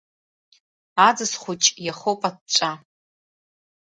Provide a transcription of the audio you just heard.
Аӡыс хәыҷы иахоуп аҵәҵәа…